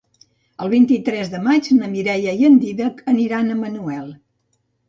El vint-i-tres de maig na Mireia i en Dídac aniran a Manuel.